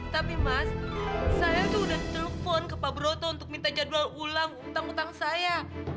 tapi mas saya tuh udah telepon ke pak broto untuk minta jadwal ulang utang utang saya